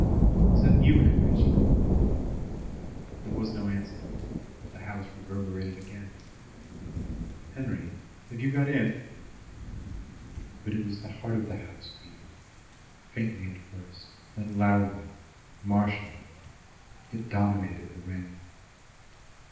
"Is that you, Henry?" she called. There was no answer, but the house reverberated again. "Henry, have you got in?" But it was the heart of the house beating, faintly at first, then loudly, martially. It dominated the rain.